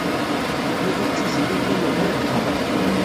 Yuba d Tiziri llan uggaden.